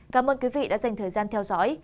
cảm ơn quý vị đã dành thời gian theo dõi